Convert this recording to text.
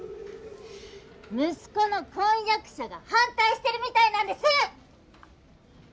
息子の婚約者が反対してるみたいなんです！